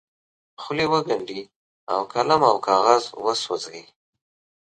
خولې وګنډي او قلم او کاغذ وسوځوي.